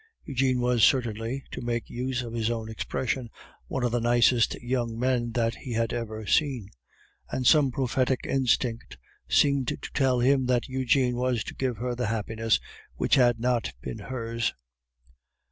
Eugene was certainly (to make use of his own expression) one of the nicest young men that he had ever seen, and some prophetic instinct seemed to tell him that Eugene was to give her the happiness which had not been hers.